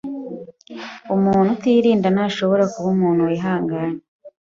Umuntu utirinda ntashobora kuba umuntu wihangana